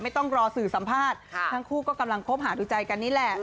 ต้องรอสื่อสัมภาษณ์ทั้งคู่ก็กำลังคบหาดูใจกันนี่แหละ